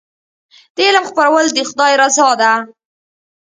د علم خپرول د خدای رضا ده.